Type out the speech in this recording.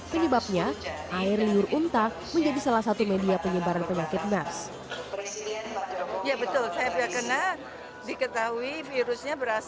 penyebabnya air liur unta menjadi salah satu media penyebaran penyakit bas